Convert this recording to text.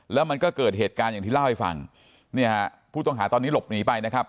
แล้วมันก็เกิดเหตุการณ์อย่างที่เล่าให้ฟังเนี่ยฮะผู้ต้องหาตอนนี้หลบหนีไปนะครับ